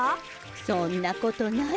そんなことない。